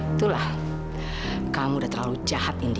itulah kamu sudah terlalu jahat indy